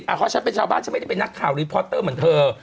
เพราะฉันเป็นชาวบ้านฉันไม่ได้เป็นนักข่าวรีพอร์ตเตอร์เหมือนเธอ